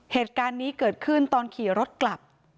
เหตุการณ์นี้เกิดขึ้นตอนขี่รถกลับ